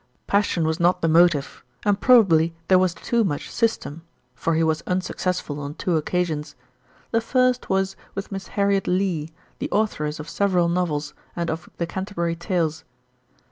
Passion was not the motive, and probably there was too much system, for he was unsuccessful on two occasions. The first was with Miss Harriet Lee, the authoress of several novels and of The Canterbury Tales.